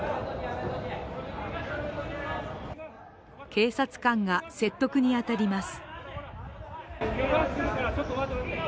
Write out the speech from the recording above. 警察官が説得に当たります。